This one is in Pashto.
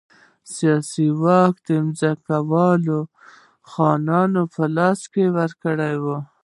سیاسي واک یې د ځمکوالو خانانو په لاس کې ورکاوه.